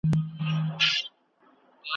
زه د عطر په څېر خپور سم ته مي نه سې بویولای ,